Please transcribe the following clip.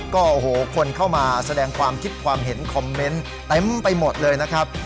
ก็โอ้โหคนเข้ามาแสดงความคิดความเห็นคอมเมนต์เต็มไปหมดเลยนะครับ